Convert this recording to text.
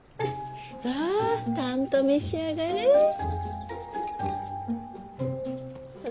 さったんと召し上がれ。